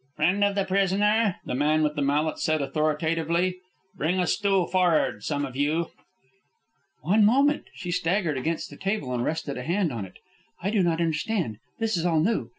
"Friend of the prisoner," the man with the mallet said authoritatively. "Bring a stool for'ard, some of you." "One moment ..." She staggered against the table and rested a hand on it. "I do not understand. This is all new